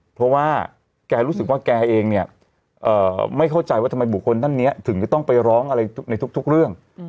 เพราะว่าแกรู้สึกว่าแกเองเนี่ยไม่เข้าใจว่าทำไมบุคคลท่านนี้ถึงจะต้องไปร้องอะไรในทุกเรื่อง